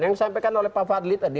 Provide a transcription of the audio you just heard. yang disampaikan oleh pak fadli tadi